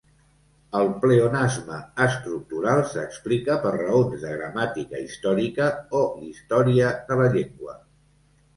El pleonasme estructural s'explica per raons de gramàtica històrica o d'història de la llengua.